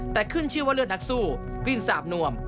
แต่ขึ้นชื่อว่าเลือดนักสู้กลิ่นสาบนวม